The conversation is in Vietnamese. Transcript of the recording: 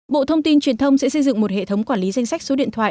bộ thông tin truyền thông sẽ xây dựng một hệ thống quản lý danh sách số điện thoại